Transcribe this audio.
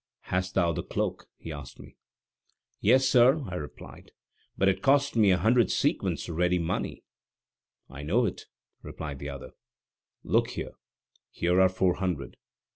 "Hast thou the cloak?" he asked me. "Yes, sir," I replied; "but it cost me a hundred sequins ready money." "I know it," replied the other. "Look here, here are four hundred."